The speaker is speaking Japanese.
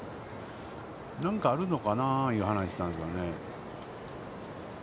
何かあるのかなあという話をしてたんですけどね。